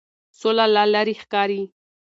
سوله لا لرې ښکاري.